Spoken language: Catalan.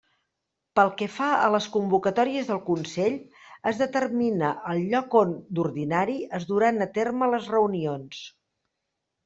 Pel que fa a les convocatòries del Consell, es determina el lloc on, d'ordinari, es duran a terme les reunions.